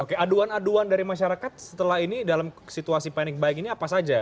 oke aduan aduan dari masyarakat setelah ini dalam situasi panik baik ini apa saja